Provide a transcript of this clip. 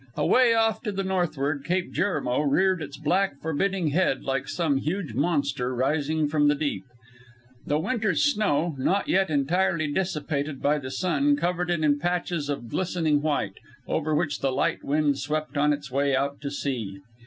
Away off to the northward Cape Jerimo reared its black, forbidding head like some huge monster rising from the deep. The winter's snow, not yet entirely dissipated by the sun, covered it in patches of glistening white, over which the light wind swept on its way out to sea.